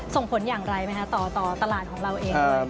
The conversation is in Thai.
ส่งผลอย่างไรไหมคะต่อตลาดของเราเอง